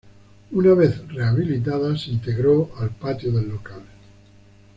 Una vez rehabilitada se integró al patio del local.